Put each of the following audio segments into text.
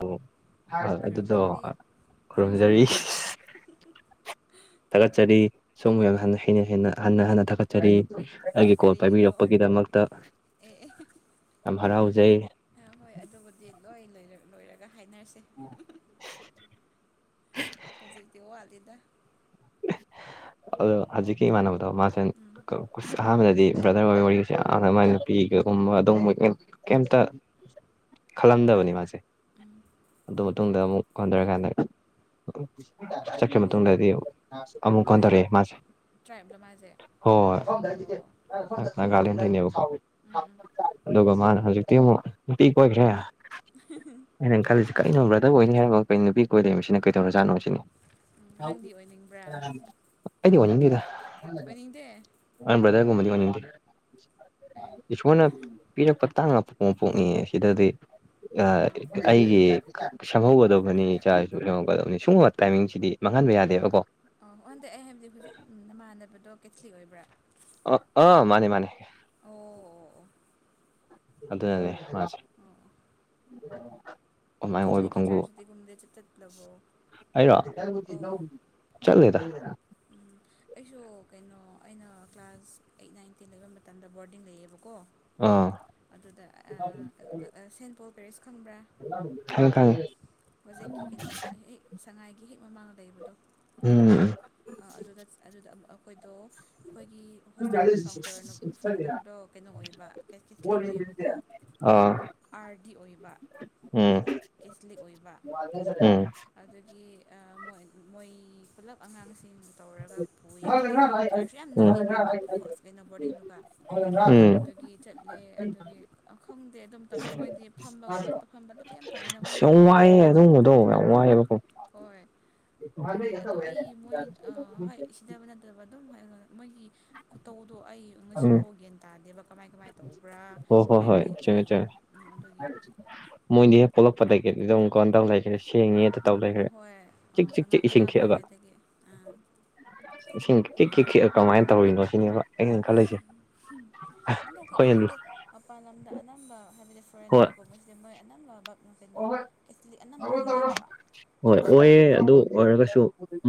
ꯑꯣ ꯍ ꯑꯗꯨꯗꯣ ꯈꯨꯔꯨꯝꯖꯔꯤ ꯈꯨꯔꯨꯝꯖꯔꯤ ꯊꯥꯒꯠꯆꯔꯤ ꯁꯣꯝ ꯌꯥꯝ ꯍꯩꯅ ꯍꯟꯅ ꯍꯟꯅ ꯊꯥꯒꯠꯆꯔꯤ ꯑꯩꯒꯤ ꯀꯣꯜ ꯀꯔꯤꯒꯤꯅꯣ ꯄꯥꯏꯕꯤꯔꯛꯄꯒꯤꯗꯃꯛꯇ ꯑꯦ ꯌꯥꯝ ꯍꯔꯥꯎꯖꯩ ꯍꯣꯏ ꯑꯗꯨꯕꯨꯗꯤ ꯂꯣꯏ ꯂꯣꯏꯔꯒ ꯍꯥꯏꯅꯔꯁꯦ [inaudible] ꯍꯧꯖꯤꯛꯗꯤꯣ ꯍꯜꯂꯤꯤꯗ [inaudible] ꯑ ꯍꯧꯖꯤꯛ ꯀꯩ ꯃꯅꯅꯕꯗꯣ ꯃꯥꯁ ꯎꯝ ꯑꯍꯥꯟꯕꯗꯗꯤ ꯕ꯭ꯔꯗꯔ ꯑꯣꯏꯕ ꯋꯥꯔꯤꯒꯁꯦ ꯌꯥꯝꯅ ꯃꯥꯏ ꯅꯨꯄꯤꯒꯒꯨꯝꯕ ꯑꯗꯨꯒꯨꯝꯕꯒꯤ ꯑꯣꯏꯅ ꯀꯩꯝꯇ ꯈꯜꯂꯝꯗꯕꯅꯤ ꯃꯥꯁꯦ ꯎꯝ ꯑꯗꯨ ꯃꯇꯨꯡꯗ ꯑꯃꯨꯛ ꯍꯣꯟꯊꯔꯀꯥꯟꯗꯔꯦ ꯆꯠꯈ꯭ꯔ ꯍꯥꯏꯗꯤ ꯃꯇꯨꯡꯗꯗꯤ ꯑꯃꯨ ꯑꯃꯨꯛ ꯀꯣꯟ ꯇꯧꯔꯛꯑꯦ ꯃꯥꯁꯦ ꯇ꯭ꯔꯥꯏꯕꯂꯣ ꯃꯥꯁꯦ ꯑꯣ ꯑꯣ ꯍꯣꯏ ꯒꯥꯦꯟꯅꯦꯕꯣ ꯎꯝ ꯎꯝ ꯑꯗꯨꯒ ꯃꯥꯅ ꯍꯧꯖꯤꯛꯇꯤ ꯑꯃꯨꯛ ꯅꯨꯅꯨꯡꯇꯤ ꯑꯣꯏꯣꯏꯈ꯭ꯔꯦ [unintelligible] ꯑꯩꯅꯪ ꯈꯜꯂꯤꯁꯤ ꯀꯩꯅꯣ ꯕ꯭ꯔꯗꯔ ꯑꯣꯏꯅꯤ ꯍꯥꯏꯕꯔꯕꯣ ꯀꯩ ꯅꯨꯄꯤ ꯀꯣꯏ ꯂꯩꯔꯤꯃꯤ ꯁꯤꯅ ꯀꯩꯗꯧꯔꯖꯥꯠꯅꯣ ꯁꯤꯅꯤ ꯅꯪꯗꯤ ꯑꯣꯏꯅꯤꯡꯕ꯭ꯔꯥ ꯑꯩꯗꯤ ꯋꯥꯗ ꯑꯣꯏꯅꯤꯡꯗꯦ ꯑꯅꯤ ꯑꯦ ꯍꯇꯥꯡ ꯉꯄꯣꯛ ꯃꯄꯣꯛꯅꯤ ꯁꯤꯗꯗꯤ ꯎꯝ ꯎꯝ ꯑꯩꯒꯤ ꯁꯪꯍꯧꯒꯗꯕꯅꯤ ꯏꯆꯥꯁꯨ ꯌꯉꯛꯀꯗꯕꯅꯤ ꯁꯤꯒꯨꯝꯕ ꯇꯥꯏꯃꯤꯡꯁꯤꯗꯤ ꯃꯥꯡꯍꯟꯕ ꯌꯥꯗꯦꯕꯀꯣ ꯑꯣ ꯑꯣꯟꯗꯦ ꯑꯩ ꯍꯥꯏꯕꯗꯤ ꯍꯧꯖꯤꯛ ꯅꯃꯥꯟꯅꯕꯗꯣ ꯀꯦꯊꯂꯤꯛ ꯑꯣꯏꯕ꯭ꯔꯥ ꯑꯣ ꯑ ꯃꯥꯅꯦ ꯃꯥꯅꯦ ꯑꯣ ꯑꯣ ꯑꯣ ꯑꯗꯨꯗꯗꯦ ꯃꯥꯁꯦ ꯑꯣ ꯑꯗꯨꯃꯥꯏꯅ ꯑꯣꯏꯕ ꯀꯦꯊꯂꯤꯛꯀꯤ ꯈꯪꯕꯨ ꯆꯔꯆꯇꯒꯨꯝꯕꯗꯤ ꯆꯠꯂꯕꯣ ꯍꯥꯏꯔꯣ ꯑꯧ ꯆꯠ ꯂꯩꯗ ꯎꯝ ꯑꯩꯁꯨ ꯀꯩꯅꯣ ꯑꯩꯅ ꯀ꯭ꯂꯥꯁ ꯑꯩꯠ ꯅꯥꯏꯟ ꯇꯦꯟ ꯂꯩꯕ ꯃꯇꯝꯗ ꯕꯣꯔꯗꯤꯡ ꯂꯩꯌꯦꯕꯀꯣ ꯑꯥ ꯑꯗꯨꯗ ꯁꯦꯟ ꯄꯣꯜ ꯄꯦꯔꯤꯦꯁ ꯈꯪꯕ꯭ꯔꯥ ꯈꯪꯉꯦ ꯈꯪꯉꯦ ꯍꯧꯖꯤꯛꯀꯤ ꯀꯩꯅꯣ ꯍꯦꯛ ꯁꯉꯥꯏꯒꯤ ꯍꯦꯛ ꯃꯃꯥꯡꯗ ꯂꯩꯕꯗꯣ ꯎꯝ ꯑꯥ ꯑꯗꯨꯗ ꯑꯗꯨꯗ ꯑꯩꯈꯣꯏꯗꯣ ꯑꯩꯈꯣꯏꯒꯤ ꯍꯣꯁꯇꯦꯜꯒꯤ ꯐꯥꯎꯟꯗꯔ ꯅꯨꯞ ꯐꯥꯎꯟꯗꯔꯗꯣ ꯀꯩꯅꯣ ꯑꯣꯏꯕ ꯀꯦꯊ ꯀꯦꯊꯂꯤꯛ ꯑꯣꯏꯌꯦꯕꯀꯣ ꯑꯥ ꯑꯥꯔꯗꯤ ꯑꯣꯏꯕ ꯎꯝ ꯀꯦꯊꯂꯤꯛ ꯑꯣꯏꯕ ꯎꯝ ꯑꯗꯒꯤ ꯑꯥ ꯃꯣꯏ ꯃꯣꯏ ꯄꯨꯂꯞ ꯑꯉꯥꯡꯁꯤꯡ ꯇꯧꯔꯒ ꯄꯨꯌꯦꯕꯀꯣ ꯆꯔꯁꯁꯨ ꯌꯥꯝ ꯎꯝ ꯅꯛꯑꯦꯕ [unintelligible] ꯀꯩꯅꯣ ꯕꯣꯔꯗꯤꯡꯗꯨꯒ ꯎꯝ [unintelligible] ꯑꯗꯨꯒꯤ ꯆꯠꯂꯦ ꯑꯗꯨꯒꯤ ꯈꯪꯗꯦ ꯑꯗꯨ ꯃꯇꯝꯗ ꯃꯣꯏꯗꯤ ꯐꯝꯕ ꯈꯣꯠꯄ ꯐꯝꯕ ꯂꯦꯞꯄ ꯌꯥꯝ ꯇꯧꯋꯤꯅꯀꯣ ꯑꯁ ꯌꯥꯝ ꯋꯥꯏꯑꯦ ꯑꯗꯨꯒꯨꯝꯕꯗꯣ ꯌꯥꯝ ꯋꯥꯏꯌꯦꯕ ꯍꯣꯏ ꯑꯗꯒꯤ ꯑꯗꯣ [unintelligible] ꯑꯩ ꯃꯣꯏ ꯑꯥ ꯍꯣꯏ ꯁꯤꯗꯕ ꯅꯠꯇꯕ ꯑꯗꯨꯝ ꯍꯥꯏ ꯑꯩꯉꯣꯟꯗ ꯃꯣꯏꯒꯤ ꯈꯨꯇꯧꯗꯣ ꯑꯩ ꯎꯝ ꯉꯁꯤ ꯐꯥꯎ ꯒ꯭ꯌꯥꯟ ꯇꯥꯗꯦꯕ ꯀꯃꯥꯏ ꯀꯃꯥꯏ ꯇꯧꯕ꯭ꯔꯥ ꯍꯣꯏ ꯍꯣꯏ ꯍꯣꯏ ꯍꯥꯏꯕꯗꯤ ꯀꯩꯅꯣ ꯆꯨꯝꯃꯦ ꯆꯨꯝꯃꯦ ꯎꯝ ꯑꯗꯨꯒꯤ ꯃꯣꯏꯗꯤ ꯍꯦꯛ ꯄꯣꯛꯂꯛꯄꯗꯒꯤꯗꯤ ꯑꯗꯨꯝ [unintelligible] ꯍꯣꯏ [unintelligible] ꯆꯤꯛ ꯆꯤꯛ ꯆꯤꯛ ꯑꯉꯥꯡ ꯏꯁꯤꯡ ꯑꯉꯥꯡ ꯈꯤꯛꯑꯒ ꯑꯣꯏꯔꯤꯉꯩꯗꯒꯤ ꯑꯥ ꯏꯁꯤꯡ ꯀꯤꯛꯈꯤꯛ ꯈꯤꯛꯑꯒ ꯀꯃꯥꯏꯅ ꯇꯧꯔꯤꯅꯣ ꯁꯤꯅꯦꯕ ꯑꯩꯅ ꯈꯜꯂꯤꯁꯦ [unintelligible] ꯑꯗꯨꯀ ꯑꯩꯈꯣꯏꯅ ꯈꯪꯗꯦ ꯃꯄꯥꯟ ꯂꯝꯗ ꯑꯅꯝꯕ ꯍꯥꯏꯕꯗꯤ ꯍꯣꯏ ꯐꯣꯔꯦꯟꯅꯔꯒꯨꯝꯕꯁꯦ__ [unintelligible] ꯃꯣꯏ ꯑꯅꯝꯕ ꯕꯥꯕ ꯀꯩꯅꯣ ꯀꯦꯊꯂꯤꯛ ꯑꯅꯝꯕ ꯑꯣꯏꯌꯦꯕ ꯍꯣꯏ ꯑꯣꯏꯌꯦ ꯑꯗꯨ ꯑꯣꯏꯔꯒꯁꯨ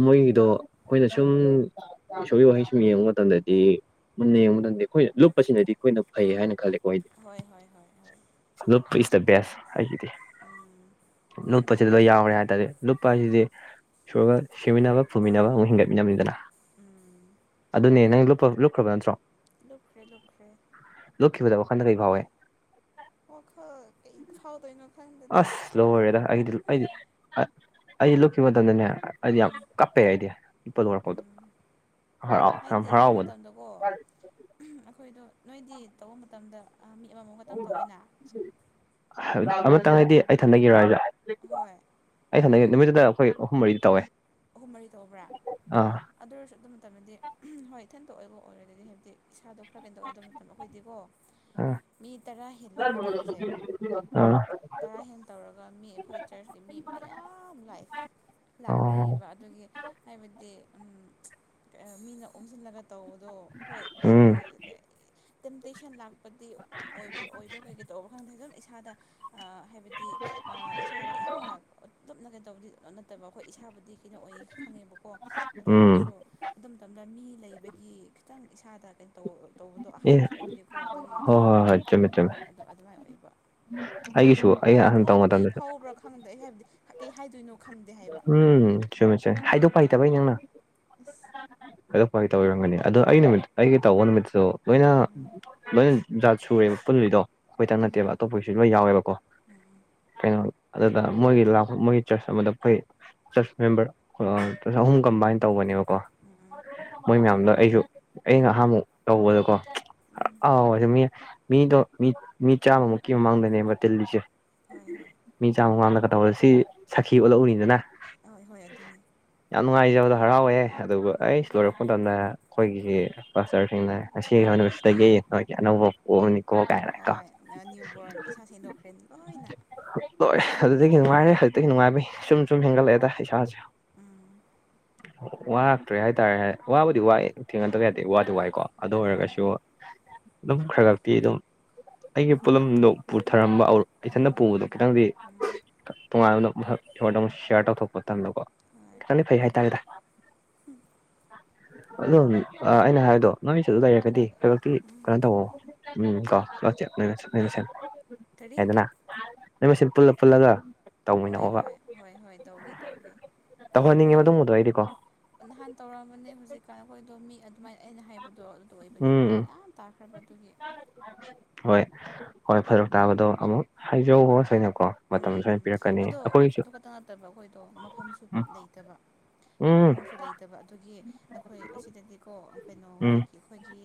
ꯃꯣꯏꯒꯤꯗꯣ ꯑꯩꯈꯣꯏꯅ ꯁꯨꯝ ꯏꯁꯣꯔ ꯑꯅꯤꯁꯨ ꯌꯦꯡꯕ ꯃꯇꯝꯗꯗꯤ ꯃꯨꯟꯅ ꯌꯦꯡꯕ ꯃꯇꯝꯗꯗꯤ ꯑꯩꯈꯣꯏꯅ ꯂꯨꯞꯄꯁꯤꯅꯗꯤ ꯑꯩꯈꯣꯏꯅ ꯐꯩ ꯍꯥꯏꯅ ꯈꯜꯂꯦꯀꯣ ꯍꯥꯏꯗꯤ ꯍꯣꯏ ꯍꯣꯏ ꯍꯣꯏ ꯍꯣꯏ ꯂꯨꯞꯄ ꯏꯁ ꯗ ꯕꯦꯁ ꯍꯥꯏꯁꯤꯗꯤ ꯎꯝ ꯂꯨꯞꯄꯁꯤꯗ ꯌꯥꯎꯔꯦ ꯍꯥꯏ ꯇꯥꯗꯤ ꯂꯨꯄꯥ ꯍꯥꯏꯁꯤꯗꯤ ꯏꯁꯣꯔꯒ ꯁꯤꯃꯤꯟꯅꯕ ꯐꯨꯃꯤꯟꯅꯕ ꯑꯃꯨꯛ ꯍꯤꯡꯒꯠꯃꯤꯟꯅꯕꯅꯤꯗꯅ ꯎꯝ ꯑꯗꯨꯅꯦ ꯅꯪ ꯂꯨꯞꯄ ꯂꯨꯞꯈ꯭ꯔꯕ ꯅꯠꯇ꯭ꯔꯣ ꯂꯨꯞꯈ꯭ꯔꯦ ꯂꯨꯞꯈ꯭ꯔꯦ ꯂꯨꯞꯈꯤꯕꯗꯣ ꯋꯥꯈꯟꯗ ꯀꯩ ꯐꯥꯎꯋꯦ ꯋꯥꯈꯜ ꯀꯩ [unintelligible] ꯐꯥꯎꯗꯣꯏꯅꯣ ꯈꯪ ꯑꯁ ꯂꯣꯏꯔꯦꯗ ꯑꯩꯗꯤ ꯑꯩꯗꯤ ꯑꯩ ꯑꯩꯗꯤ ꯂꯨꯞꯈꯤꯕ ꯃꯇꯝꯗꯅꯦ ꯑꯥ__ ꯑꯩꯗꯤ ꯌꯥꯝ ꯎꯝ ꯀꯞꯄꯦ ꯑꯩꯗꯤ ꯂꯨꯞꯄ ꯂꯣꯏꯔꯛꯄꯗꯣ ꯎꯝ ꯍꯔꯥꯎ ꯌꯥꯝ ꯍꯔꯥꯎꯕꯗ ꯑꯣ ꯑꯩꯈꯣꯏꯗꯣ ꯅꯣꯏꯗꯤ ꯇꯧꯕ ꯃꯇꯝꯗ ꯑ ꯃꯤ ꯑꯃꯃꯝ [unintelligible] ꯑꯃꯇꯪ ꯍꯥꯏꯗꯤ ꯑꯩ ꯊꯟꯗꯒꯤꯔꯣ ꯍꯥꯏꯖꯦ ꯍꯣꯏ ꯑꯩ ꯊꯟꯗꯒꯤ ꯅꯨꯃꯤꯠꯇꯨꯗ ꯑꯩꯈꯣꯏ ꯑꯍꯨꯝ ꯃꯔꯤꯗꯤ ꯇꯧꯋꯦ ꯑꯍꯨꯝ ꯃꯔꯤ ꯇꯧꯕ꯭ꯔꯥ ꯑꯥ ꯑꯗꯨ ꯑꯣꯏꯔꯁꯨ ꯑꯗꯨ ꯃꯇꯝꯗꯗꯤ [unintelligible] ꯍꯣꯏ ꯏꯊꯟꯇ ꯑꯣꯏꯕ ꯑꯣꯏꯔꯒꯗꯤ ꯍꯥꯏꯕꯗꯤ ꯏꯁꯥꯗꯣ ꯈꯔ ꯀꯩꯅꯣꯇꯧꯋꯦ ꯑꯗꯨ ꯃꯇꯝ ꯑꯩꯈꯣꯏꯗꯤꯀꯣ ꯑꯥ ꯃꯤ ꯇꯔꯥ ꯍꯦꯜꯂꯦꯕ ꯇꯧꯕꯁꯦ ꯑꯥ ꯇꯔꯥ ꯍꯦꯟ ꯇꯧꯔꯒ ꯃꯤ ꯑꯩꯈꯣꯏ ꯆꯔꯆꯀꯤ ꯃꯤ ꯃꯌꯥꯝ ꯂꯥꯛꯑꯦ ꯑꯣ ꯂꯥꯛꯅꯩꯌꯦꯕ ꯑꯗꯨꯒꯤ ꯍꯥꯏꯕꯗꯤ ꯎꯝ [unintelligible] ꯃꯤꯅ ꯑꯣꯝꯁꯤꯜꯂꯒ ꯇꯧꯕꯗꯣ ꯎꯝ [unintelligible] ꯇꯦꯝꯇꯦꯁꯟ ꯂꯥꯛꯄꯗꯤ ꯑꯣꯏ ꯑꯣꯏꯕ꯭ꯔꯥ ꯀꯩ ꯀꯩ ꯇꯧꯕ꯭ꯔꯥ ꯈꯪꯗꯦ ꯑꯗꯨꯝ ꯏꯁꯥꯗ ꯍꯥꯏꯕꯗꯤ ꯏꯁꯥꯗ ꯌꯥꯝꯅ ꯇꯨꯞꯅ ꯀꯩꯗꯧꯕꯗꯤ ꯅꯠꯇꯕ ꯑꯩꯈꯣꯏ ꯏꯁꯥꯕꯨꯗꯤ ꯄꯤꯔꯛ ꯑꯣꯏꯌꯦ ꯈꯪꯉꯦꯕꯀꯣ ꯑꯗꯨ ꯎꯝ ꯑꯣꯏꯔꯁꯨ ꯑꯗꯨ ꯃꯇꯝꯗ ꯃꯤ ꯂꯩꯕꯒꯤ ꯈꯤꯇꯪ ꯏꯁꯥꯗ ꯀꯩꯅꯣ__ ꯇꯧꯕ ꯇꯧꯕꯗꯣ ꯑꯦ ꯑꯍꯥꯟꯕꯁꯨ ꯑꯣꯏꯕꯒꯤꯀꯣ ꯑꯗꯨꯒꯤ ꯍꯣꯏ ꯍꯣꯏ ꯑꯗꯣ ꯍꯣꯏ ꯆꯨꯝꯃꯦ ꯆꯨꯝꯃꯦ ꯑꯗꯨ ꯑꯗꯨꯃꯥꯏꯅ ꯑꯣꯏꯕ ꯑꯩꯒꯤꯁꯨ ꯑꯩꯅ ꯀꯩ ꯑꯍꯥꯟ ꯇꯧꯕ ꯐꯥꯎꯗꯣꯏ ꯀꯩ ꯃꯇꯝꯗꯁꯨ ꯐꯥꯎꯕ꯭ꯔꯥ ꯈꯪꯗ꯭ꯔꯦ ꯑꯩ ꯍꯥꯏꯕꯗꯤ ꯀꯩ ꯍꯥꯏꯗꯣꯏꯅꯣ ꯈꯪꯗꯦ ꯍꯥꯏꯕ ꯎꯝ ꯆꯨꯝꯃꯤ ꯆꯧꯝꯃꯤ ꯍꯥꯏꯗꯣꯛꯄ ꯍꯩꯇꯕꯩ ꯑꯗꯨꯗ ꯅꯪꯅ ꯏꯁ ꯀꯗꯣꯛꯄꯒꯤ ꯇꯧꯕꯤꯔꯝꯒꯅꯤ ꯑꯗꯣ ꯑꯩꯒꯤ ꯅꯨꯃꯤꯠ ꯑꯩꯒꯤ ꯇꯧꯕ ꯅꯨꯃꯤꯠꯇꯁꯨ ꯂꯣꯏꯅ ꯎꯝ ꯂꯣꯏꯅ ꯖꯥꯠ ꯁꯨꯔꯦꯕ ꯄꯨꯜꯜꯂꯤꯣꯏꯗꯣ ꯑꯩꯈꯣꯏ ꯅꯠꯇꯦꯕ ꯎꯝ ꯑꯇꯣꯞꯄꯒꯤꯁꯨ ꯂꯣꯏ ꯌꯥꯎꯋꯦꯕꯀꯣ ꯎꯝ ꯀꯩꯅꯣ ꯑꯗꯨꯗ ꯃꯣꯏꯒꯤ ꯂꯄ ꯃꯣꯏꯒꯤ ꯆ꯭ꯔꯁ ꯑꯃꯗ ꯑꯩꯈꯣꯏ ꯆꯔꯆ ꯃꯦꯝꯕꯔ ꯑꯍꯨꯝ ꯀꯝꯕꯥꯏꯟ ꯇꯧꯕꯅꯦꯕꯀꯣ ꯎꯝ ꯃꯣꯏ ꯃꯌꯥꯝꯗꯣ ꯑꯩꯁꯨ ꯑ ꯉꯍꯥꯥꯟꯕꯃꯨꯛ ꯇꯧꯕꯗꯀꯣ ꯎꯝ ꯑꯥꯎ ꯑꯗꯨ ꯃꯤ ꯃꯤꯗꯣ ꯃꯤ ꯃꯤ ꯆꯥꯝꯃꯃꯨꯛꯀꯤ ꯃꯃꯥꯡꯗꯅꯦꯕ ꯇꯤꯜꯂꯤꯁꯦ ꯍꯣꯏ ꯍꯣꯏ ꯃꯤ ꯆꯥꯝꯃ ꯋꯥꯥꯡꯝꯗꯀ ꯇꯧꯔꯦ ꯁꯤ ꯁꯈꯤ ꯑꯣꯜꯂꯛꯎꯔꯤꯗꯅ ꯑꯣꯏ ꯍꯣꯏ ꯑꯗꯨꯅꯤ ꯌꯥꯝ ꯅꯨꯡꯉꯥꯏꯖꯕꯗꯣ ꯍꯔꯥꯎꯋꯦ ꯑꯗꯨꯒ ꯎꯝ ꯑꯩ ꯂꯣꯏꯔꯛꯄ ꯃꯇꯝꯗ ꯑꯩꯈꯣꯏꯒꯤ ꯐꯥꯁꯇꯔꯁꯤꯡꯅ ꯉꯁꯤ ꯅꯨꯃꯤꯠꯁꯤꯗꯒꯤ ꯑꯩꯣꯏꯒꯤ ꯑꯅꯧꯕ ꯑꯣꯅꯤꯀꯣ ꯀꯥꯏꯦ ꯍꯣꯏ ꯅ꯭ꯌꯨꯕꯣꯔꯟ ꯏꯁꯥ ꯁꯦꯡꯗꯣꯛꯈ꯭ꯔꯦ ꯂꯣꯏꯅ ꯂꯣꯏꯦ ꯑꯗꯨꯗꯒꯤ ꯎꯝ ꯅꯨꯡꯉꯥꯏꯔꯦ ꯍꯧꯖꯤꯛꯇꯤ ꯅꯨꯡꯉꯥꯏꯕꯩ ꯁꯨꯝ ꯁꯨꯝ ꯍꯦꯟꯒꯠꯂꯛꯑꯦꯗ ꯏꯁꯥꯁꯦ [unintelligible] ꯋꯥꯔꯛꯇ꯭ꯔꯦ ꯍꯥꯏꯇꯥꯔꯦ ꯋꯥꯕꯨꯗꯤ ꯋꯥꯏ ꯊꯦꯡꯅꯗꯒ ꯍꯥꯏꯗꯗꯤ ꯋꯥꯗꯤ ꯋꯥꯏꯀꯣ ꯑꯗꯨ ꯍꯣꯏ ꯑꯣꯏꯔꯒꯁꯨ ꯑꯗꯨꯝ ꯈꯔ ꯈ ꯄꯤ ꯑꯗꯨꯝ ꯑꯩꯒꯤ ꯄꯣꯠꯂꯝꯗꯣ ꯄꯨꯊꯔꯝꯕꯔ ꯏꯊꯟꯅ ꯎꯝ ꯄꯨꯕꯗꯣ ꯎꯝ ꯈꯤꯇꯪꯗꯤ ꯎꯝ ꯇꯣꯉꯥꯏ [unintelligible] [inaudible] ꯁꯤꯌꯥꯔ ꯇꯧꯊꯣꯛꯄ ꯃꯇꯝꯗꯀꯣ ꯍꯣꯏ ꯈꯤꯇꯪꯗꯤ ꯐꯩ ꯍꯥꯏꯇꯥꯔꯦꯗ [unintelligible] [inaudible] ꯑꯗꯣ ꯑꯩꯅ ꯍꯥꯏꯕꯗꯣ ꯅꯃꯤꯁꯨ ꯑꯗꯨ ꯂꯩꯔꯒꯗꯤ ꯈꯕꯛꯇꯤ ꯎꯝ ꯀꯩꯅꯣ ꯇꯧ ꯎꯝ ꯀ ꯂꯁꯤꯁ [unintelligible] ꯀꯔꯤ ꯍꯥꯏꯗꯅ ꯅꯣꯏ ꯄꯨꯜꯂ ꯄꯨꯜꯂꯒ ꯍꯣꯏ ꯇꯧꯃꯤꯟꯅꯣꯕ ꯍꯣꯏ ꯍꯣꯏ ꯍꯣꯏ ꯇꯧꯒꯦ ꯇꯧꯒꯦ ꯍꯣꯏ ꯇꯧꯍꯟꯅꯤꯡꯉꯦ ꯍꯣꯏ ꯃꯇꯨꯡꯕꯗꯣ ꯑꯩꯗꯤꯀꯣ ꯅꯍꯥꯟ ꯇꯧꯔꯛꯑꯝꯕꯅꯦ ꯍꯧꯖꯤꯛꯀꯥꯟ ꯑꯩꯈꯣꯏꯗꯣ ꯃꯤ ꯑꯗꯨꯃꯥꯏꯅ ꯑꯩꯅ ꯍꯥꯏꯕꯗꯣ ꯇꯣꯏꯕꯒꯤ ꯐꯔꯛ ꯌꯥꯝ ꯇꯥꯈ꯭ꯔꯕ ꯑꯗꯨꯒꯤ ꯑꯗꯨ ꯍꯣꯏ ꯍꯣꯏ ꯐꯔꯛ ꯇꯥꯕꯗꯣ ꯑꯃꯨꯛ ꯍꯥꯏꯖꯧꯣ ꯁꯣꯏꯅꯀꯣ ꯎꯝ ꯃꯇꯝ ꯎꯝ ꯁꯣꯏꯅ ꯄꯤꯔꯛꯀꯅꯤ ꯑꯗꯣ ꯑꯩꯈꯣꯏꯒꯤꯁꯨ ꯑꯗꯨ ꯈꯛꯇ ꯅꯠꯇꯕ ꯑꯩꯈꯣꯏꯗꯣ ꯃꯐꯝꯁꯨ ꯎꯝ ꯂꯩꯇꯕ ꯎꯝ ꯃꯐꯝꯁꯨ ꯂꯩꯇꯕ ꯑꯗꯨꯒꯤ ꯑꯩꯈꯣꯏ ꯑꯁꯤꯗꯗꯤꯀꯣ ꯀꯩꯅꯣ ꯎꯝ ꯍꯧꯖꯤꯛꯀꯤ ꯑꯩꯈꯣꯏꯒꯤ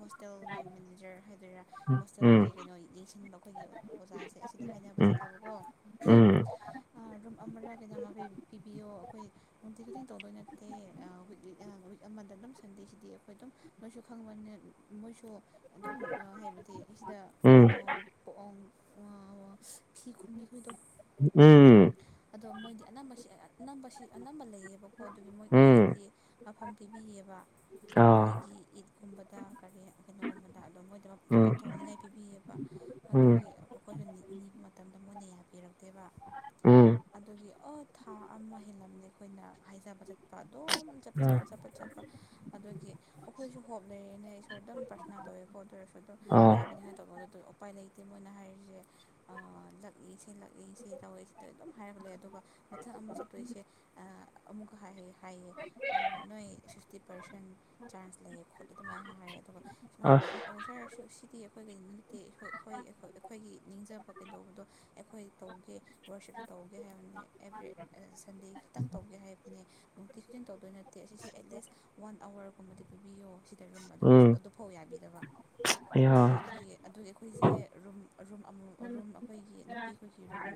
ꯍꯣꯁꯇꯦꯜꯒꯤ ꯃꯦꯅꯦꯖꯔ ꯍꯥꯏꯗꯣꯏꯔꯥ ꯎꯝ ꯍꯣꯁꯇꯦꯜꯒꯤ ꯀꯩꯅꯣ ꯌꯦꯡꯁꯤꯟꯕ ꯑꯩꯒꯤ ꯑꯣꯖꯥꯁꯦ ꯑꯁꯤꯗ ꯍꯥꯏꯅꯕ ꯎꯝ ꯆꯠꯂꯦꯕꯀꯣ ꯎꯝ ꯔꯨꯝ ꯑꯃꯔ ꯀꯗꯃ ꯄꯤꯕꯤꯌꯣ ꯑꯩꯈꯣꯏ ꯅꯨꯡꯇꯤ ꯇꯤꯡ ꯇꯧꯗꯣꯏ ꯅꯠꯇꯦ ꯋꯤꯛ ꯋꯤ [inaudible] ꯑꯃꯗ ꯑꯗꯨꯝ ꯁꯟꯗꯦꯁꯤꯗꯤ ꯑꯩꯈꯣꯏ ꯑꯗꯨꯝ ꯃꯣꯏꯁꯨ ꯈꯪꯕꯅꯤ ꯃꯣꯏꯁꯨ ꯑꯗꯨꯝ ꯍꯥꯏꯕꯗꯤ ꯁꯤꯗ ꯎꯝ ꯀꯩꯅꯣ ꯐꯤ ꯈꯨꯨꯝꯕꯤꯈꯗ ꯎꯝ ꯎꯝ ꯑꯗꯣ ꯃꯣꯏꯗꯤ ꯑꯅꯝꯕꯁꯤ ꯑꯅꯝꯕꯁꯤ ꯑꯅꯝꯕ ꯂꯩꯌꯦꯕꯀꯣ ꯑꯗꯨꯒꯤ ꯃꯣꯏ ꯎꯝ ꯃꯣꯏꯒꯤꯗꯤ ꯃꯐꯝ ꯊꯣꯏꯕꯤꯌꯦꯕ ꯑꯥ ꯑꯩꯈꯣꯏꯒꯤ ꯏꯠꯀꯨꯝꯕꯗ ꯀꯔꯤ ꯀꯩꯅꯣꯒꯨꯝꯕꯗ ꯑꯗꯨꯝ ꯃꯣꯏꯗꯃꯛ ꯄꯣꯊꯣꯛꯅꯤꯡꯉꯥꯏ ꯄꯤꯕꯤꯌꯦꯕ ꯎꯝ ꯑꯗꯨꯒꯤ ꯑꯩꯈꯣꯏꯁꯨ ꯅꯤꯕ ꯃꯇꯝꯗ ꯃꯣꯏꯅ ꯌꯥꯕꯤꯔꯛꯇꯦꯕ ꯎꯝ ꯑꯗꯨꯒꯤ ꯑꯣ ꯊꯥ ꯑꯃ ꯍꯦꯜꯂꯝꯗꯦ ꯑꯩꯈꯣꯏꯅ ꯍꯥꯏꯖꯕ ꯆꯠꯄ ꯑꯗꯨꯝ ꯆꯄ ꯎꯝ ꯆꯠꯄ ꯆꯠꯄ ꯆꯠꯄ ꯑꯗꯨꯒꯤ ꯑꯩꯈꯣꯏꯁꯨ ꯍꯣꯞ ꯂꯩꯔꯦꯅ ꯏꯁꯣꯔ ꯑꯗꯨꯝ ꯄ꯭ꯔꯁꯅꯥ ꯇꯧꯋꯦ ꯈꯣꯠꯇ ꯑꯗꯨ ꯑꯣꯏꯔꯁꯨ ꯑꯗꯨꯝ ꯑ ꯌꯥꯕꯅꯤꯅ ꯇꯧꯕ ꯑꯗꯨꯗ ꯎꯄꯥꯏ ꯂꯩꯇꯦ ꯃꯣꯏꯅ ꯍꯥꯏꯔꯤꯁꯦ ꯂꯛꯏꯁꯦ ꯂꯛ ꯑꯩ ꯁꯤ ꯇꯧꯋꯦ ꯁꯤꯗ ꯑꯗꯨꯝ ꯍꯥꯏꯔꯒ ꯂꯩ ꯑꯗꯨꯒ ꯃꯊꯛ ꯑꯃ ꯆꯠꯇꯣꯏꯁꯦ ꯑꯃꯨꯛ ꯍꯥꯏ ꯍꯥꯏꯌꯦ ꯅꯣꯏ ꯐꯛꯁꯇꯤ ꯄꯥꯔꯁꯦꯟ ꯆꯥꯟꯖ ꯂꯩꯌꯦ ꯈꯣꯠꯂꯦ ꯑꯗꯨꯃꯥꯏꯅ ꯍꯥꯏꯌꯦ ꯑꯗꯨꯒ ꯑꯁ ꯀꯁꯔ ꯁꯤꯗꯤ ꯑꯩꯈꯣꯏꯒꯤꯗꯤ ꯅꯠꯇꯦꯈ ꯑꯩꯈꯣꯏ ꯑꯩꯈꯣꯏꯒꯤ ꯅꯤꯡꯖꯕ ꯀꯩꯗꯧꯕꯗꯣ ꯑꯩꯈꯣꯏ ꯇꯧꯒꯦ ꯋꯔꯛꯁꯤꯞꯁꯨ ꯇꯧꯒꯦ ꯍꯥꯏꯕꯅꯤ ꯑꯦꯕ꯭ꯔꯤ ꯁꯟꯗꯦ ꯈꯤꯇꯪ ꯇꯧꯒꯦ ꯍꯥꯏꯕꯅꯤ ꯅꯨꯡꯇꯤ ꯈꯨꯖꯤꯟ ꯇꯧꯗꯣꯏ ꯅꯠꯇꯦ ꯑꯁꯤꯁꯦ ꯑꯦꯠꯂꯤꯁ ꯋꯥꯟ ꯑꯋꯥꯔꯒꯨꯝꯕꯗꯤ ꯄꯤꯕꯤꯌꯣ ꯑ ꯔꯨꯝ ꯑꯗꯨꯗ ꯎꯝ ꯑꯗꯨ ꯐꯧ ꯌꯥꯕꯤꯗꯕ ꯑꯌꯥ ꯑꯗꯨꯒꯤ ꯑꯗꯨꯒꯤ ꯑꯩꯈꯣꯏꯁꯦ ꯔꯨꯝ ꯔꯨꯝ ꯑꯃꯨ ꯔꯨꯝ ꯑꯩꯈꯣꯏꯒꯤ ꯅꯨꯄꯤ ꯑꯗꯨ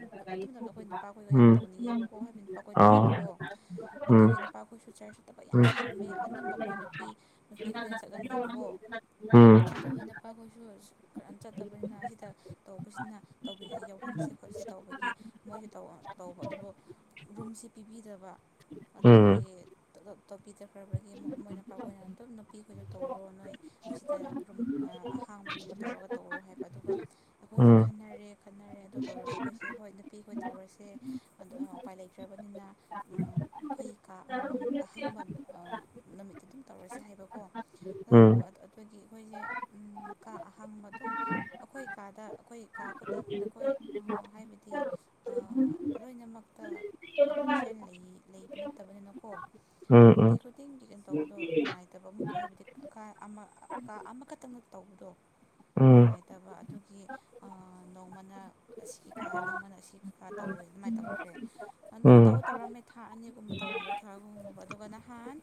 ꯃꯇꯝꯗ ꯑꯩꯈꯣꯏ ꯅꯨꯄꯥꯈꯣꯏꯒ ꯌꯥꯝ ꯎꯝ ꯇꯧꯅꯤꯡꯉꯦꯕꯀꯣ ꯍꯥꯏꯕꯗꯤ ꯅꯨꯄꯥꯈꯣꯏ ꯑ ꯂꯩꯌꯦꯅꯀꯣ ꯑꯗꯨꯒꯤ ꯎꯝ ꯅꯨꯄꯥ ꯑꯩꯈꯣꯏꯁꯨ ꯆꯔ ꯆꯨꯠꯇꯕ ꯌꯥꯝ ꯎꯝ ꯌꯥꯝꯃꯦ ꯑꯅꯝꯕ ꯑꯩꯈꯣꯏ ꯅꯨꯄꯤ ꯅꯨꯄꯤ ꯑꯩꯈꯣꯏꯅ ꯆꯠꯍꯟꯗꯦꯕꯀꯣ ꯎꯝ ꯎꯝ ꯎꯝ ꯎꯝ ꯎꯝ ꯎꯝ ꯎꯝ ꯑꯗꯨꯒꯤ ꯅꯨꯄꯥꯈꯣꯏꯁꯨ ꯈꯔ ꯆꯠꯇꯕꯅꯤꯅ ꯑꯁꯤꯗ ꯇꯧꯕꯁꯤꯅ ꯇꯧꯕꯤ ꯌꯥꯎꯍꯟꯁꯦꯕ ꯄꯣꯠꯁꯦ ꯇꯧꯕꯒꯤ ꯃꯣꯏꯁꯨ ꯇꯧꯕ ꯑꯗꯨꯕꯨ ꯔꯨꯝꯁꯦ ꯄꯤꯕꯤꯗꯕ ꯎꯝ ꯎꯝ ꯑꯗꯨꯒꯤꯞꯇꯣꯄꯤ ꯇꯈ꯭ꯔꯕꯒꯤ ꯃꯣꯏꯅꯄꯥꯛꯈꯅ ꯑꯗꯨꯝ ꯅꯨꯄꯤꯈꯁꯨ ꯇꯧꯔꯣ ꯅꯣꯏ ꯑꯁꯤꯗ ꯔꯨꯝ ꯑꯍꯥꯡꯕꯒꯨꯝꯕ ꯇꯧꯔꯒ ꯇꯧꯔꯣ ꯍꯥꯏꯕ ꯑꯗꯨꯒ ꯑꯩꯈꯣꯏꯁꯦ ꯈꯟꯅꯔꯦ ꯈꯠꯅꯔꯦ ꯑꯗꯨ ꯇꯧꯔꯒ ꯑꯩꯈꯣꯏꯁꯦ ꯍꯣꯏ ꯅꯨꯄꯤ ꯑꯩꯈꯣꯏ ꯇꯧꯔꯁꯦ ꯑꯗꯨ ꯎꯄꯥꯏ ꯂꯩꯇ꯭ꯔꯕꯅꯤꯅ ꯑꯩꯈꯣꯏ ꯀꯥ ꯑꯃꯃꯝ ꯑꯍꯪꯕ ꯅꯨꯃꯤꯠꯇ ꯑꯗꯨꯝ ꯇꯧꯔꯁꯦ ꯍꯥꯏꯕꯀꯣ ꯑꯗꯨꯗꯒꯤ ꯑꯩꯈꯣꯏꯁꯦ ꯀꯥ ꯑꯍꯥꯡꯕ ꯑꯗꯨꯝ ꯑꯩꯈꯣꯏ ꯀꯥꯗ ꯑꯩꯈꯣꯏ ꯀꯥ ꯈꯨꯗꯤꯡꯗ ꯑꯩꯈꯣꯏ ꯍꯥꯏꯕꯗꯤ ꯂꯣꯏꯅꯃꯛꯇ ꯈ꯭ꯔꯤꯁꯇꯌꯥꯟ ꯂꯩꯕ ꯅꯠꯇꯕꯅꯤꯅꯀꯣ ꯅꯨꯡꯇꯤ ꯈꯨꯗꯤꯡꯒꯤ ꯀꯩꯅꯣ ꯇꯧꯕꯗꯣ ꯅꯨꯡꯉꯥꯏꯇꯕ ꯑꯃꯨꯛ ꯍꯥꯏꯕꯗꯤ ꯑꯃ ꯀꯥ ꯑꯃꯈꯛꯇꯪꯅ ꯇꯧꯕꯗꯣ ꯅꯨꯡꯉꯥꯏꯇꯕ ꯑꯗꯨꯒꯤ ꯑ ꯅꯣꯡꯃꯅ ꯑꯁꯤ ꯈꯥ ꯅꯣꯡꯃ ꯑꯁꯤ ꯈꯥ ꯇꯧꯋꯦ ꯑꯗꯨꯃꯥꯏꯟ ꯇꯧꯈ꯭ꯔꯦ ꯑꯗꯨꯝ ꯇꯧ ꯇꯧꯔꯝꯃꯦ ꯊꯥ ꯑꯅꯤꯒꯨꯝꯕ ꯇꯧꯔꯝꯕꯥ ꯊꯥꯒꯨꯝꯕ ꯑꯗꯨꯒ ꯅꯍꯥꯟ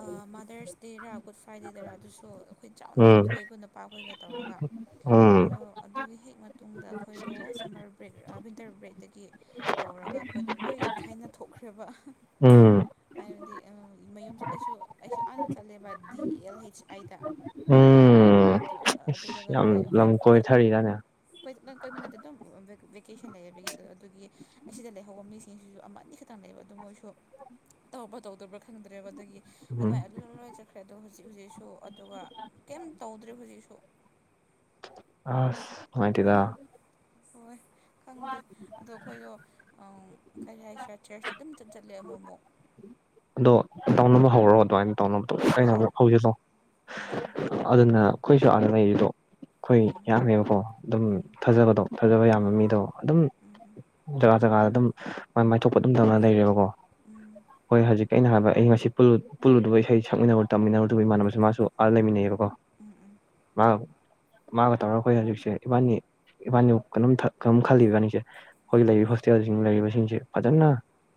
ꯑ ꯃꯥꯗꯔꯁ ꯗꯦꯔ ꯒꯨꯠ ꯐ꯭ꯔꯥꯏꯗꯦꯗꯔ ꯑꯗꯨꯁꯨ ꯑꯈꯣꯏ ꯆꯥꯎꯅ ꯄꯥꯡꯊꯣꯛꯑꯦꯀꯣ ꯅꯄꯥꯈꯣꯏꯒ ꯇꯧꯔꯒ ꯑꯗꯣ ꯑꯗꯨꯒꯤ ꯍꯦꯛ ꯃꯇꯨꯡꯗ ꯑꯈꯣꯏꯗꯣ ꯁꯝꯃꯔ ꯕ꯭ꯔꯦꯛ ꯑ ꯋꯤꯟꯇꯔ ꯕ꯭ꯔꯦꯛꯗꯒꯤ ꯇꯧꯔꯒ ꯑꯈꯣꯏꯗ ꯂꯣꯏ ꯈꯥꯏꯅ ꯊꯣꯛꯈ꯭ꯔꯦꯕ ꯑꯍ ꯎꯝ ꯍꯥꯏꯕꯗꯤ ꯃꯌꯨꯝ ꯑꯩꯁꯨ ꯑꯩꯁꯨ ꯍꯥꯟꯅ ꯆꯠꯂꯦꯕ ꯗꯤ ꯑꯦꯜ ꯍꯩꯆ ꯑꯥꯏꯗ ꯎꯝ ꯑꯗꯨ ꯑꯗꯨ ꯌꯥꯝ ꯂꯝ ꯀꯣꯏꯅꯊꯔꯤꯗꯅꯦ ꯑꯩꯈꯣꯏ ꯅꯪ ꯀꯣꯏꯕꯅꯗꯤ ꯑꯗꯨꯝ ꯚꯦꯀꯦꯁꯟ ꯂꯩꯕꯒꯤ ꯑꯗꯨꯒꯤ ꯑꯁꯤꯗ ꯂꯩꯍꯧꯕ ꯃꯤꯁꯤꯡꯁꯤꯁꯨ ꯑꯃ ꯑꯅꯤꯈꯛꯇꯪ ꯂꯩꯕ ꯑꯗꯨ ꯃꯣꯏꯁꯨ ꯇꯧꯕ ꯇꯧꯗꯕ꯭ꯔꯥ ꯈꯪꯗ꯭ꯔꯦꯕ ꯑꯗꯒꯤ ꯑꯗꯨꯃꯥꯏ ꯎꯝ ꯑꯗꯨ ꯗ ꯂꯣꯏꯆꯠꯈ꯭ꯔꯦ ꯗꯣ ꯍꯣꯖꯤꯛ ꯍꯣꯖꯤꯛꯁꯨ ꯑꯗꯨꯒ ꯀꯩꯝ ꯇꯧꯗ꯭ꯔꯦ ꯍꯩꯖꯤꯛꯁꯨ ꯑꯁ ꯅꯨꯡꯉꯥꯏꯇꯦꯗ ꯍꯣꯏ ꯈꯪꯗꯦ ꯑꯗꯣ ꯑꯈꯣꯏꯗꯣ ꯑꯥꯎ ꯀꯔꯤ ꯍꯥꯏꯁꯤꯔ ꯆꯔꯁ ꯑꯗꯨꯝ ꯆꯠ ꯆꯠꯂꯦ ꯑꯃꯣꯃꯣꯛ ꯑꯗꯣ ꯇꯧꯅꯕ ꯍꯧꯔꯣ ꯑꯗꯨꯃꯥꯏꯟ ꯇꯧꯅꯕꯇꯣ ꯍꯣꯏ ꯑꯩꯅꯖꯨ ꯍꯧꯖꯤꯂꯣ ꯎꯝ ꯑꯗꯨꯅ ꯑꯈꯣꯏꯁꯨ ꯑꯥꯗ ꯂꯩꯔꯤꯗꯣ ꯈꯨꯏ ꯎꯝ ꯌꯥꯝꯃꯦꯕꯀꯣ ꯑꯗꯨꯝ ꯎꯝ ꯎꯝ ꯊꯥꯖꯕꯗꯣ ꯊꯖꯕ ꯌꯥꯝꯕ ꯃꯤꯗꯣ ꯑꯗꯨꯝ ꯎꯝ ꯎꯝ ꯎꯝ ꯎꯝ ꯎꯝ ꯖꯒꯥ ꯖꯒꯥꯗ ꯑꯗꯨꯝ ꯃꯥꯏꯊꯣꯛꯄ ꯑꯗꯨꯝ ꯇꯧꯅ ꯂꯩꯔꯦꯕꯒꯣ ꯎꯝ ꯍꯣꯏ ꯍꯖꯤꯛ ꯑꯩꯅ ꯍꯥꯏꯕ ꯑꯩ ꯉꯁꯤ ꯄꯨꯜꯂꯨꯠ ꯄꯨꯜꯂꯨꯗꯕ ꯏꯁꯩ ꯁꯛꯃꯤꯟꯅꯕ ꯇꯝꯃꯤꯟꯅꯔꯨꯗꯕ ꯏꯃꯥꯟꯅꯕꯁꯤ ꯃꯥꯁꯨ ꯑꯥꯗ ꯂꯩꯃꯤꯟꯅꯩꯕꯀꯣ [unintelligible] ꯃꯥ [unintelligible] ꯃꯥꯒ ꯇꯧꯔ ꯑꯈꯣꯏ ꯍꯧꯖꯤꯛꯁꯦ ꯏꯕꯥꯅꯤ ꯏꯕꯥꯅꯤꯎꯛ ꯀꯩꯅꯣꯝ ꯊꯛ ꯀꯩꯅꯣꯝ ꯈꯜꯂꯤ ꯏꯕꯥꯅꯤꯁꯦ ꯑꯈꯣꯏ ꯂꯩꯔꯤ ꯍꯣꯁꯇꯦꯜꯁꯤꯡ ꯂꯩꯔꯤꯕꯁꯤꯡꯁꯤ ꯐꯖꯅ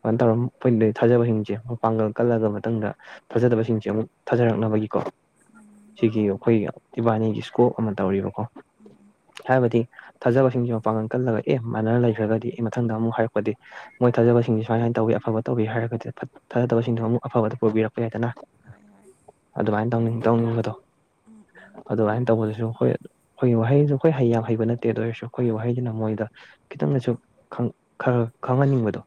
ꯀꯟ ꯇꯧꯔ ꯑꯝ ꯐꯨꯏꯟꯂꯩ ꯊꯥꯖꯕꯍꯤꯡ ꯇꯦ ꯃꯄꯥꯡꯒꯜ ꯀꯜꯂꯒ ꯃꯇꯨꯡꯗ ꯊꯖꯗꯕꯁꯤꯡꯁꯦ ꯑꯃꯨꯛ ꯊꯥꯖꯔꯛꯅꯕꯒꯤꯀꯣ ꯎꯝ ꯁꯤꯒꯤ ꯑꯈꯣꯏꯒꯤ ꯏꯕꯥꯅꯤꯒꯤ ꯏꯁꯀꯣꯞ ꯑꯃ ꯇꯧꯔꯤꯕꯀꯣ ꯎꯝ ꯎꯝ ꯍꯥꯏꯕꯗꯤ ꯊꯥꯖꯕꯁꯤꯡꯁꯦ ꯃꯄꯥꯡꯒꯜ ꯀꯜꯂꯒ ꯑꯦ ꯃꯥꯟꯅꯔ ꯂꯩꯈ꯭ꯔꯒꯗꯤ ꯑꯦ ꯃꯊꯪꯗ ꯑꯃꯨꯛ ꯍꯥꯏꯔꯛꯄꯗꯤ ꯃꯣꯏ ꯊꯥꯖꯕꯁꯤꯡꯁꯤ ꯎꯝ ꯁꯨꯃꯥꯏ ꯁꯨꯃꯥꯏꯟ ꯇꯧꯏ ꯑꯐꯕ ꯇꯧꯏ ꯍꯥꯏꯔꯒꯗꯤ ꯑꯐꯠ ꯊꯥꯖꯗꯕꯁꯤꯡꯗꯣ ꯑꯃꯨꯛ ꯑꯐꯕꯗ ꯄꯨꯕꯤꯔꯛꯄ ꯌꯥꯏꯗꯅ ꯍꯣꯏ ꯍꯣꯏ ꯑꯗꯨꯃꯥꯏꯟ ꯇꯧꯅꯤꯡ ꯇꯧꯅꯤꯡꯕꯗꯣ ꯎꯝ ꯎꯝ ꯑꯗꯨꯃꯥꯏꯟ ꯇꯧꯕꯗꯁꯨ ꯍꯣꯏ ꯈꯣꯏꯒꯤ ꯋꯥꯍꯩ ꯗꯣ ꯈꯣꯏ ꯍꯩ ꯌꯥꯝ ꯍꯩꯕ ꯅꯠꯇꯦ ꯑꯗꯨ ꯑꯣꯏꯔꯁꯨ ꯑꯈꯣꯏꯒꯤ ꯎꯝ ꯎꯝ ꯋꯥꯍꯩꯖꯤꯅ ꯃꯣꯏꯗ ꯈꯤꯇꯪꯅꯁꯨ ꯈꯪ ꯈ ꯈꯪꯍꯟꯅꯤꯡꯕꯗꯣ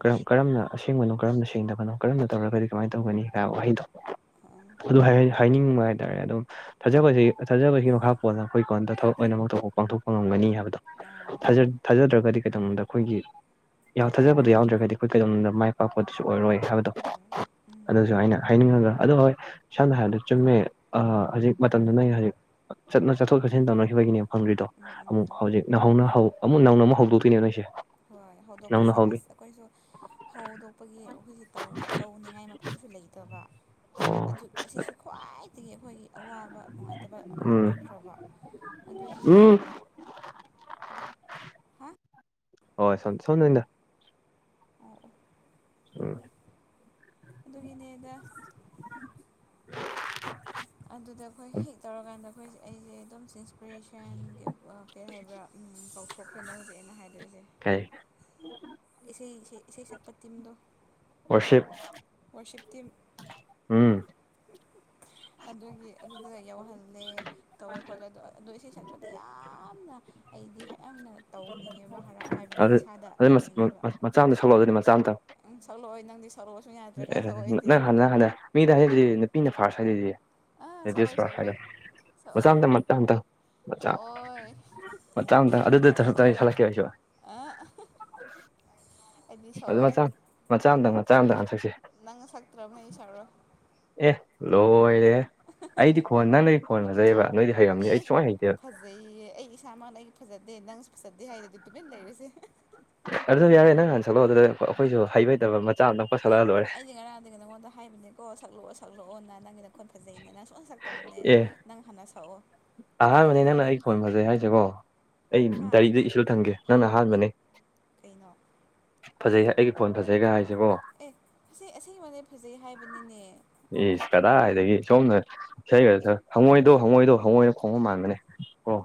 ꯀꯔꯝ ꯀꯔꯝꯅ ꯑꯁꯦꯡꯕꯅꯣ ꯀꯔꯝꯅ ꯁꯦꯡꯗꯕꯅꯣ ꯀꯔꯝꯅ ꯇꯧꯔꯒꯗꯤ ꯀꯃꯥꯏꯟ ꯇꯧꯒꯅꯤ ꯒꯥ ꯋꯥꯍꯩꯗꯣ ꯑ ꯑꯗꯨ ꯍꯥꯏꯌ ꯍꯥꯏꯅꯤꯡꯕ ꯍꯥꯏꯇꯥꯔꯦ ꯑꯗꯨꯝ ꯊꯥꯖꯕꯖꯤ ꯊꯥꯖꯕꯒꯤ ꯃꯈꯥꯞ ꯀꯣꯟꯅ ꯑꯈꯣꯏ ꯀꯣꯟꯗ ꯊꯕꯛ ꯑꯣꯏꯅꯃꯛ ꯇꯧꯕ ꯄꯥꯡꯊꯣꯛ ꯄꯉꯝꯒꯅꯤ ꯍꯥꯏꯕꯗꯣ ꯑꯥ ꯊꯥꯖ ꯊꯥꯖꯗ꯭ꯔꯒꯗꯤ ꯀꯩꯗꯧꯗ ꯑꯩꯈꯣꯏꯒꯤ ꯌꯥꯎ ꯊꯥꯖꯕꯗꯣ ꯌꯥꯎꯗ꯭ꯔꯒꯗꯤ ꯑꯈꯣꯏ ꯀꯩꯗꯧꯅꯨꯡꯗ ꯃꯥꯏ ꯄꯥꯛꯄꯗꯨꯁꯨ ꯑꯣꯏꯔꯣꯏ ꯍꯥꯏꯕꯗꯣ ꯍꯥꯎ ꯎꯝ ꯎꯝ ꯑꯗꯨꯁꯨ ꯑꯩꯅ ꯍꯥꯏꯅꯤꯡꯉꯒ ꯑꯗꯨ ꯍꯣꯏ ꯁꯝꯅ ꯍꯥꯏꯔꯕꯗ ꯆꯨꯝꯃꯦ ꯑ ꯍꯧꯖꯤꯛ ꯃꯇꯝꯗ ꯅꯪꯒꯤ ꯍꯧꯖꯤꯛ ꯆꯠꯅ ꯆꯠꯊꯣꯛ ꯆꯠꯁꯤꯟ ꯇꯧꯅꯈꯤꯕꯒꯤꯅꯦꯕ ꯍꯪꯗ꯭ꯔꯤꯗꯣ ꯎꯝ ꯎꯝ ꯑꯃꯨꯛ ꯎꯝ ꯍꯧꯖꯤꯛ ꯅꯧꯍꯧꯅ ꯍꯧ ꯑꯃꯨꯛ ꯅꯧꯅ ꯑꯃꯨꯛ ꯍꯧꯗꯣꯛꯇꯣꯏꯅꯦ ꯅꯣꯏꯁꯦ ꯍꯣꯏ ꯅꯧꯅ ꯍꯧꯗꯣꯛꯄꯁꯦ ꯍꯧꯒꯦ ꯑꯁ ꯑꯩꯈꯣꯏꯁꯨ ꯍꯧꯗꯣꯛ ꯄꯒꯤ ꯑꯩꯈꯣꯏꯒꯤ ꯇꯧꯅꯤꯡꯉꯥꯏ ꯃꯐꯝꯁꯨ ꯂꯩꯇꯕ ꯑꯣ ꯑꯗꯨ ꯑꯁꯤꯁꯨ ꯈ꯭ꯋꯥꯏꯗꯒꯤ ꯑꯩꯈꯣꯏꯒꯤ ꯑꯋꯥꯕ ꯅꯨꯡꯉꯥꯏꯇꯕ ꯎꯝ ꯑꯣꯏꯈ꯭ꯔꯕ ꯑꯗꯨꯒꯤ ꯎꯝ ꯍꯥ ꯍꯣꯏ ꯁꯥꯎ ꯁꯥꯎꯅ ꯅꯗꯗꯥ ꯑꯣ ꯑꯣ ꯎꯝ ꯑꯗꯨꯒꯤꯅꯦꯗ [unintelligible] ꯑꯗꯨꯗ ꯑꯩꯈꯣꯏ ꯍꯦꯛ ꯇꯧꯔꯀꯥꯟꯗ ꯍꯣꯏꯁꯦ ꯑꯩꯁꯦ ꯑꯗꯨꯝ ꯏꯟꯁꯄꯤꯔꯦꯁꯟ ꯀꯩ ꯍꯥꯏꯕ꯭ꯔꯥ ꯀꯥꯎꯊꯣꯛꯈ꯭ꯔꯦꯅꯦ ꯍꯧꯖꯤꯛ ꯑꯩꯅ ꯍꯥꯏꯗꯣꯔꯤꯁꯦ ꯀꯥꯏ ꯑꯦꯁꯩ ꯁꯩ ꯏꯁꯩ ꯁꯛꯄ ꯇꯤꯝꯗꯣ ꯋꯥꯔꯁꯤꯞ ꯋꯥ ꯁꯤꯞ ꯇꯤꯝ ꯎꯝ ꯑꯗꯨꯒꯤ ꯑꯗꯨꯗꯨꯒ ꯌꯧꯍꯜꯂꯦ ꯇꯧꯋꯦ ꯈꯣꯠꯂꯦ ꯑꯗꯣ ꯑ ꯑꯗꯣ ꯏꯁꯩꯔꯗꯤ ꯌꯥꯝꯅ ꯍꯩꯗꯤ ꯍꯌꯥꯝꯅ ꯇꯧꯅꯤꯡꯉꯦꯕ ꯈꯔ ꯍꯥꯏꯕꯗꯤ ꯑꯗꯨ ꯏꯁꯥꯗ ꯑꯗꯨ ꯃꯆꯥ ꯇꯧꯅꯤꯡꯉꯦꯕ ꯑꯃꯇ ꯁꯛꯂꯛꯑꯣ ꯑꯗꯨꯗꯤ ꯃꯆꯥ ꯑꯃꯇ ꯎꯪ ꯁꯛꯂꯛꯑꯣꯏ ꯅꯪꯗꯤ ꯁꯛꯂꯑꯣꯁꯨ ꯌꯥꯗ꯭ꯔꯒ ꯁꯛꯑꯣ ꯑꯩꯗꯤ ꯍꯜꯂ ꯍꯜꯂꯦ ꯃꯤꯗ ꯍꯥꯏꯗꯤ ꯅꯨꯄꯤꯅ ꯐꯥꯔꯁ ꯍꯥꯏꯖꯤꯖꯤ ꯑꯥ ꯂꯦꯗꯤꯁ ꯁꯛꯂꯣꯏ ꯐꯥꯔꯁ ꯍꯥꯏꯗ ꯁꯛꯂꯣꯏ ꯁꯛꯑꯣꯏ ꯃꯆꯥ ꯃꯇꯝ ꯃꯇꯥꯡꯗ ꯑꯆꯥ ꯁꯛꯑꯣꯏ ꯃ ꯆꯥꯝꯇ ꯑꯗꯨꯗ ꯊꯍꯩ ꯁꯛꯂꯀꯦ ꯑꯩꯁꯨ ꯑ ꯑ ꯑꯗꯨ ꯃꯆꯥ ꯃꯆꯥ ꯑꯃꯇꯪ ꯃꯆꯥ ꯑꯃꯇꯪ ꯉ ꯁꯛꯁ ꯅꯪꯅ ꯁꯛꯇ꯭ꯔꯕꯅ ꯑꯩ ꯁꯛꯔꯣꯏ ꯑꯦ ꯂꯣꯔꯦ ꯑꯩꯗꯤ ꯐꯣꯟ ꯅꯪ ꯅ ꯑꯩ ꯐꯣꯟꯅꯖꯩꯑꯕ ꯅꯣꯏꯗꯤ ꯍꯩꯔꯝꯅꯤ ꯑꯦ ꯑꯩ ꯁꯨꯡꯃꯥꯏ ꯍꯩꯇꯦꯕ ꯐꯖꯩꯌꯦ ꯑꯩ ꯏꯁꯥꯃꯛꯅ ꯑꯩ ꯐꯖꯗꯦ ꯅꯪꯁꯨ ꯐꯖꯗꯦ ꯍꯥꯏꯔꯦꯗꯤ ꯇꯨꯃꯤꯟꯅ ꯂꯩꯔꯤꯨꯁꯦ ꯑꯗꯨꯗꯣ ꯌꯥꯔꯦ ꯅꯪ ꯍꯟ ꯆꯜꯂꯛꯑꯣ ꯑꯗꯨꯗ ꯑꯩꯈꯣꯏꯁꯨ ꯍꯩꯇꯕ ꯑꯃꯇꯪ ꯑꯦ ꯄꯁꯜꯂꯛꯑ ꯂꯣꯏꯔꯦ ꯑꯩꯗꯤ ꯉꯔꯥꯡꯗꯒꯤ ꯅꯪꯉꯣꯟꯗ ꯍꯥꯏꯕꯅꯦꯀꯣ ꯁꯛꯂꯛꯑꯣ ꯁꯛꯂꯛꯑꯣꯅ ꯅꯪꯒꯤꯗ ꯑꯩꯈꯣꯏꯣꯟ ꯐꯖꯩꯩꯅ ꯅꯪ ꯁꯨꯡꯅ ꯁꯛꯇꯕꯅꯦ ꯑꯦ ꯅꯪ ꯍꯥꯟꯅ ꯁꯛꯑꯣ ꯑꯍꯥꯟꯕꯅꯦ ꯅꯪꯅ ꯑꯩ ꯈꯣꯟ ꯐꯖꯩ ꯍꯥꯏꯁꯦꯕꯣ ꯑꯩ ꯍꯥ ꯗꯥꯏꯔꯤꯗ ꯏꯁꯨ ꯊꯝꯒꯦ ꯅꯪꯅ ꯑꯍꯥꯟꯕꯅꯦ ꯀꯩꯅꯣ ꯐꯖꯩ ꯑꯩꯒꯤ ꯐꯣꯟ ꯐꯖꯩꯒ ꯍꯥꯏꯁꯤꯕꯣ ꯑꯦ ꯑꯁꯤ ꯑꯦꯡꯕꯩ ꯐꯖꯩ ꯍꯥꯏꯕꯅꯤꯅꯦ ꯏꯁ ꯀꯗꯥꯏꯗꯒꯤ ꯁꯣꯝꯅ ꯏꯁꯩ ꯈ ꯍꯪꯉꯣꯏꯗꯣ ꯍꯪꯉꯣꯏꯗꯣ ꯍꯪꯉꯣꯏꯅ ꯈꯣꯡꯕ ꯃꯥꯟꯕꯅꯦ ꯑꯣ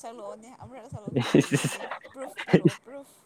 ꯁꯛꯂꯛꯑꯣꯅꯦ ꯑꯃꯨꯔꯛ ꯁꯛꯂ‌ꯣ ꯗꯨꯗ ꯌꯦꯡꯉꯒꯦ ꯄ꯭ꯔꯨꯐ ꯄꯤꯔꯛꯑꯣ ꯄ꯭ꯔꯨꯐ